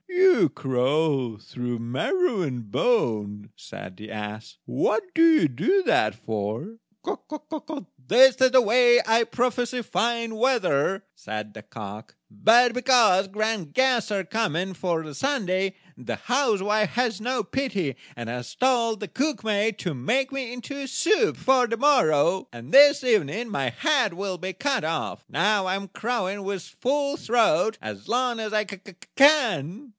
"You crow through marrow and bone," said the ass; "what do you do that for?" "That is the way I prophesy fine weather," said the cock; "but, because grand guests are coming for the Sunday, the housewife has no pity, and has told the cook maid to make me into soup for the morrow; and this evening my head will be cut off. Now I am crowing with a full throat as long as I can."